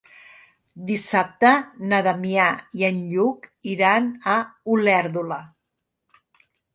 Dissabte na Damià i en Lluc iran a Olèrdola.